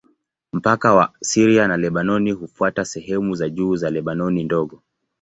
Mpaka wa Syria na Lebanoni hufuata sehemu za juu za Lebanoni Ndogo.